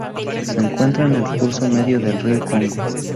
Se encuentra en el curso medio del río Congo.